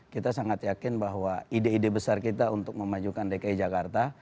kita sangat yakin bahwa ide ide besar kita untuk memajukan dki jakarta